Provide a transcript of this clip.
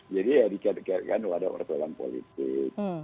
jadi ya dikaitkan ada urusan politik